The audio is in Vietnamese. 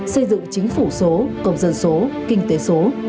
xây dựng chính phủ số công dân số kinh tế số